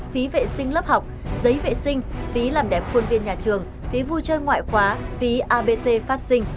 phí vệ sinh lớp học giấy vệ sinh phí làm đẹp khuôn viên nhà trường phí vui chơi ngoại khóa phí abc phát sinh